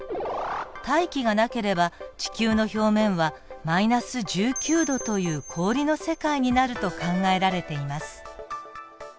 大気がなければ地球の表面は−１９℃という氷の世界になると考えられています。